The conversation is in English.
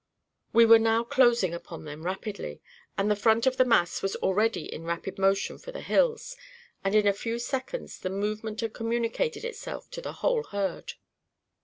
We were now closing upon them rapidly, and the front of the mass was already in rapid motion for the hills, and in a few seconds the movement had communicated itself to the whole herd.